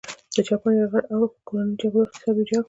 د جاپان یرغل او کورنۍ جګړو اقتصاد ویجاړ کړ.